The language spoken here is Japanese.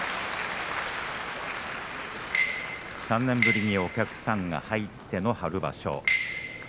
３年ぶりにお客さんが入っての春場所。